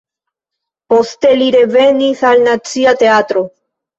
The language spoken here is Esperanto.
Poste li revenis al Nacia Teatro.